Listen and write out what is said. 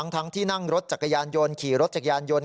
ทั้งที่นั่งรถจักรยานยนต์ขี่รถจักรยานยนต์